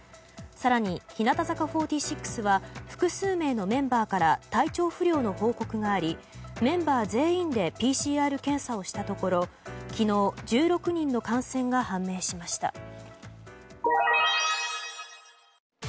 更に、日向坂４６は複数名のメンバーから体調不良の報告がありメンバー全員でＰＣＲ検査をしたところ昨日１６人の感染が判明しました。